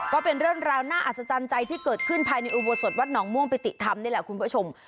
ก็เป็นเรื่องราวน่าอัศจรรย์ใจที่เกิดขึ้นภายในอุโบสถวัดหนองม่วงปิติธรรมนี่แหละคุณผู้ชม